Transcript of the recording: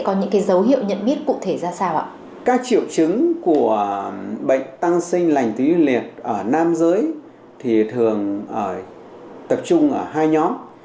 các triệu chứng của bệnh tăng sinh lành tính liệt ở nam giới thì thường tập trung ở hai nhóm